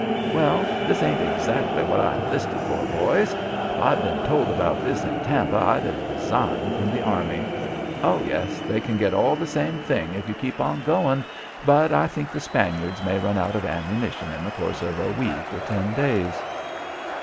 "Well, this ain't exactly what I enlisted for, boys. If I'd been told about this in Tampa, I'd have resigned from th' army. Oh, yes, you can get the same thing if you keep on going. But I think the Spaniards may run out of ammunition in the course of a week or ten days."